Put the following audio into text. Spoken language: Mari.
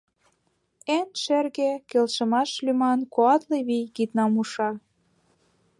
Эн шерге, Келшымаш лӱман Куатле вий киднам уша.